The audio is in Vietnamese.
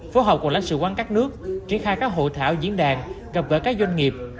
phố hậu của lãnh sự quán các nước triển khai các hội thảo diễn đàn gặp gỡ các doanh nghiệp